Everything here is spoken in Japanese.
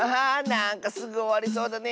なんかすぐおわりそうだね